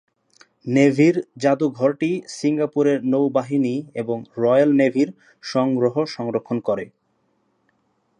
নেভির যাদুঘরটি সিঙ্গাপুরের নৌবাহিনী এবং রয়েল নেভির সংগ্রহ সংরক্ষণ করে।